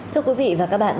thưa quý vị và các bạn